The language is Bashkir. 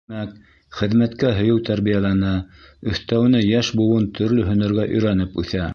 Тимәк, хеҙмәткә һөйөү тәрбиәләнә, өҫтәүенә йәш быуын төрлө һөнәргә өйрәнеп үҫә.